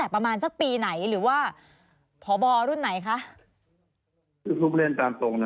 สนุนโดยน้ำดื่มสิง